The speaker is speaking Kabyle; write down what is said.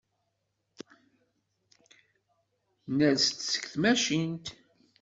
Ners-d seg tmacint.